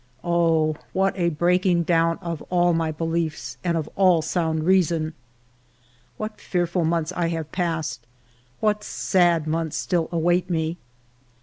Oh, what* a breaking down of all my beliefs and of all sound reason ! What fearful months I have passed, what sad months still await me